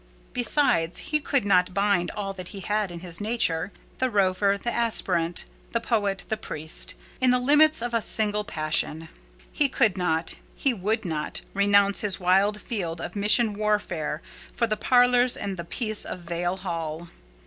Besides, he could not bind all that he had in his nature—the rover, the aspirant, the poet, the priest—in the limits of a single passion. He could not—he would not—renounce his wild field of mission warfare for the parlours and the peace of Vale Hall.